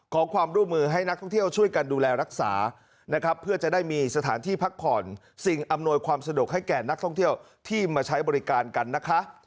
ขอความร่วมมือให้นักท่องเที่ยวช่วยกันดูแลรักษานะครับเพื่อจะได้มีสถานที่พักผ่อนสิ่งอำนวยความสะดวกให้แก่นักท่องเที่ยวที่มาใช้บริการกันนะคะ